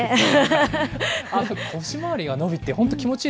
腰回りが伸びて、本当気持ち